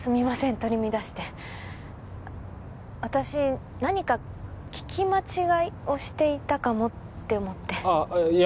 取り乱して私何か聞き間違いをしていたかもって思ってあっいや